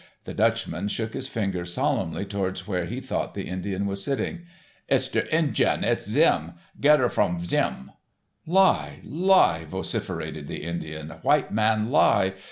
The Dutchman shook his finger solemnly towards where he thought the Indian was sitting. "It's der Indyun. It's Zhim. Get ut vrom Zhim." "Lie, lie," vociferated the Indian, "white man lie.